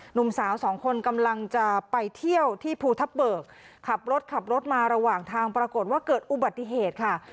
หนุ่มสาวสองคนกำลังจะไปเที่ยวที่ภูทับเบิกขับรถขับรถมาระหว่างทางปรากฏว่าเกิดอุบัติเหตุค่ะ